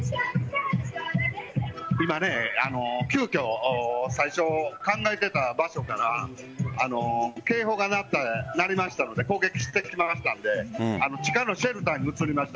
今、急きょ最初考えていた場所から警報が鳴りましたので攻撃してきましたので地下のシェルターに移りました。